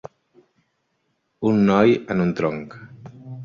Un noi en un tronc.